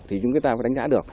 thì chúng ta có đánh giá được